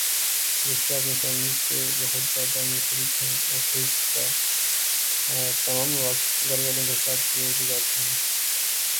بشریٰ اپنی فیملی سے بوہت زیاد منسلک ہیں اور فرست کا تمم وقت گھر والوں کے ساتھ وہ گجراتی ہیں